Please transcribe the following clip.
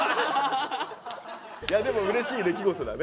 いやでもうれしい出来事だね。